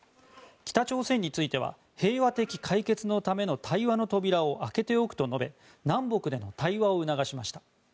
北朝鮮については平和的解決のための対話の扉を開けておくと述べ南北での対話を促しました。